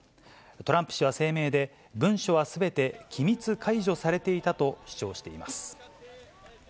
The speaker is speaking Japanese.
トランプ氏は声明で、文書はすべて機密解除されていたと主張しています。